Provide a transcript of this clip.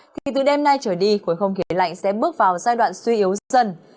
thì từ đêm nay trở đi khối không khí lạnh sẽ bước vào giai đoạn suy yếu dần